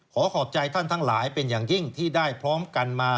ขอขอบใจท่านทั้งหลายเป็นอย่างยิ่งที่ได้พร้อมกันมา